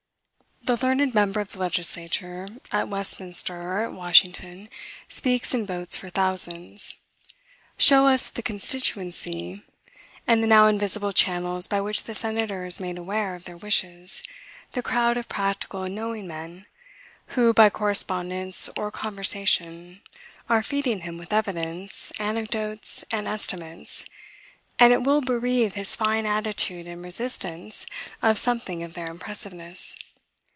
The learned member of the legislature, at Westminster, or at Washington, speaks and votes for thousands. Show us the constituency, and the now invisible channels by which the senator is made aware of their wishes, the crowd of practical and knowing men, who, by correspondence or conversation, are feeding him with evidence, anecdotes, and estimates, and it will bereave his fine attitude and resistance of something of their impressiveness.